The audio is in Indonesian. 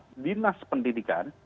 dan dinas pendidikan